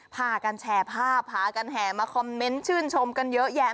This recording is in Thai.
พากันแชร์ภาพพากันแห่มาคอมเมนต์ชื่นชมกันเยอะแยะ